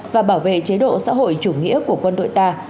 và bảo vệ chế độ xã hội chủ nghĩa của quân đội ta